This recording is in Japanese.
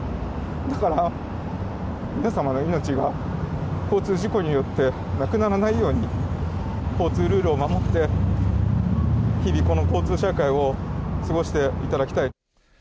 だから、皆様の命が交通事故によってなくならないように、交通ルールを守って、日々、この交通社会を過ごしていただきたい。